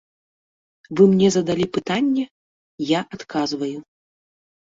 Вы мне задалі пытанне, я адказваю.